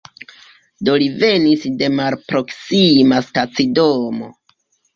Do li venis de malproksima stacidomo.